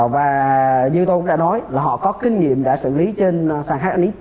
và như tôi cũng đã nói là họ có kinh nghiệm đã xử lý trên sàn hái